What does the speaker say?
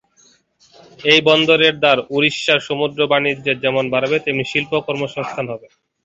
এই বন্দরের দ্বার ওড়িশার সমুদ্র বাণিজ্য যেমন বাড়বে, তেমন শিল্প ও কর্মসংস্থান হবে।